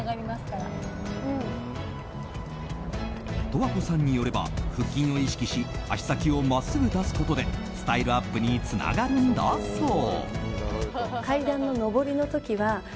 十和子さんによれば腹筋を意識し足先を真っすぐ出すことでスタイルアップにつながるんだそう。